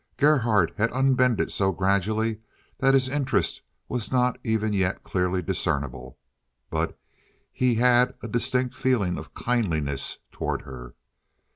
Gerhardt had unbended so gradually that his interest was not even yet clearly discernible, but he had a distinct feeling of kindliness toward her.